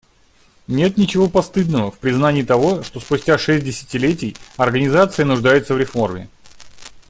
Нет ничего постыдного в признании того, что спустя шесть десятилетий Организация нуждается в реформе.